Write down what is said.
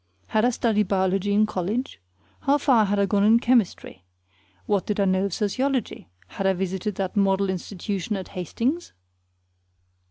Had I studied biology in college? How far had I gone in chemistry? What did I know of sociology? Had I visited that model institution at Hastings?